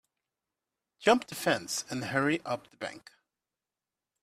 Jump the fence and hurry up the bank.